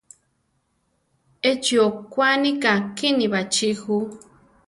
Échi okwaníka kíni baʼchí ju.